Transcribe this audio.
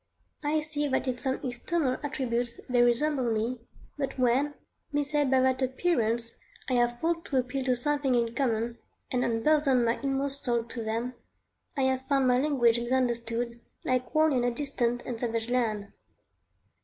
I see that in some external attributes they resemble me, but when, misled by that appearance, I have thought to appeal to something in common, and unburthen my inmost soul to them, I have found my language misunderstood, like one in a distant and savage land.